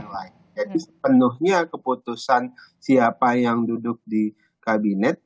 jadi sepenuhnya keputusan siapa yang duduk di kabinet